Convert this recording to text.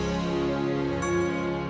sampai jumpa lagi